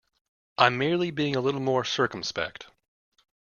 I'm merely being a little more circumspect.